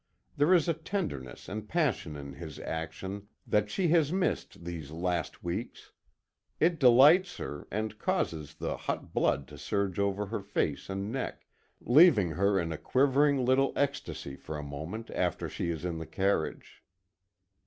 There is a tenderness and passion in his action that she has missed these last weeks. It delights her, and causes the hot blood to surge over her face and neck, leaving her in a quivering little ecstacy, for a moment after she is in the carriage.